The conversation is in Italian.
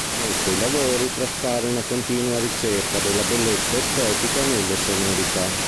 Nei suoi lavori traspare una continua ricerca della bellezza estetica nelle sonorità.